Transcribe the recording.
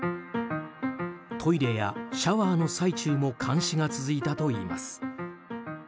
トイレやシャワーの最中も監視が続いたといいます。